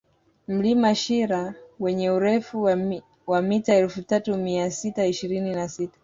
Mlima Shira wenye urefu wa mita elfu tatu mia sita ishirini na sita